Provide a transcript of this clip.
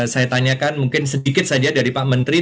saya tanyakan mungkin sedikit saja dari pak menteri